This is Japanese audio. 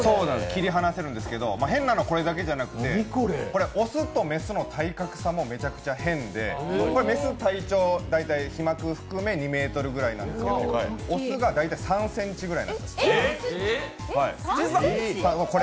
切り離せるんですけど変なの、これだけじゃなくて雄と雌の体格差もめちゃくちゃ変で、雌、体長、大体皮膜含めて２ｍくらいなんですけど雄が大体３ｃｍぐらいなんです。